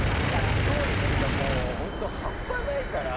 視聴率が半端ないから。